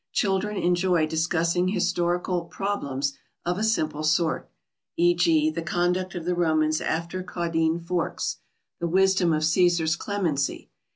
Children enjoy discussing historical "problems" of a simple sort: e. g., the conduct of the Romans after Caudine Forks; the wisdom of Cæsar's clemency.